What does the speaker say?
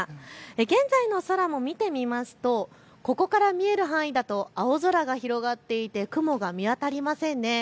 現在の空も見てみますとここから見える範囲だと青空が広がっていて雲が見当たりません。